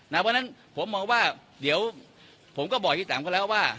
เพราะฉะนั้นผมมองว่าเดี๋ยวผมก็บอกพี่แตมเขาแล้วว่า